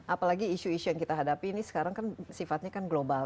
apalagi isu isu yang kita hadapi ini sekarang kan sifatnya kan global